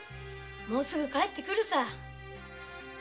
もうすぐ帰って来るさ。